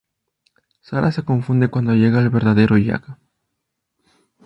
Sara se confunde cuando llega el verdadero Jack.